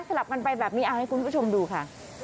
ลับกันไปแบบนี้เอาให้คุณผู้ชมดูค่ะ